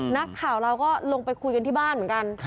นักข่าวเราก็ลงไปคุยกันที่บ้านเหมือนกัน